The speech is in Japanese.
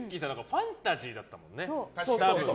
ファンタジーだったんだよね。